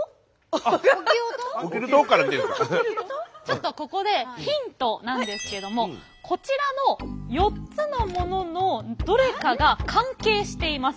ちょっとここでヒントなんですけどもこちらの４つのもののどれかが関係しています。